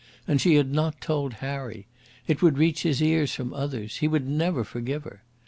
And she had not told Harry! It would reach his ears from others. He would never forgive her.